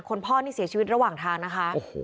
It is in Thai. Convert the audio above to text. พ่อนี่เสียชีวิตระหว่างทางนะคะ